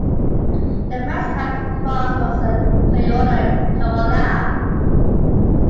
The first car to cross was a Toyota Corolla.